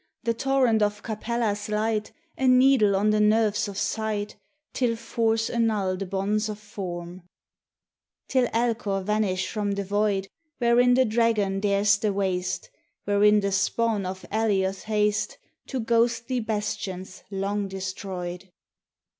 The torrent of Capella's light A needle on the nerves of sight Till Force annul the bonds of form; Till Alcor vanish from the void Wherein the Dragon dares the waste, Wherein the spawn of Alioth haste To ghostly bastions long destroyed.